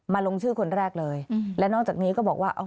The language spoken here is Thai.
ลงชื่อคนแรกเลยและนอกจากนี้ก็บอกว่า